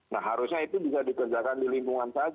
nah harusnya itu bisa dikerjakan di lingkungan saja